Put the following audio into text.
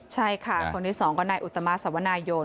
ใช่ค่ะคนที่สองก็นายอุตมะสวนายน